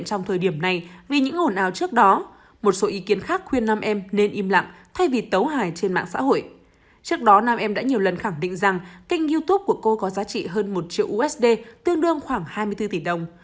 trước đó nam em đã nhiều lần khẳng định rằng kênh youtube của cô có giá trị hơn một triệu usd tương đương khoảng hai mươi bốn tỷ đồng